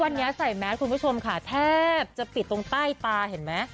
วันนี้ใส่แมสคุณผู้ชมค่ะแทบจะปิดตรงใต้ตาเห็นไหม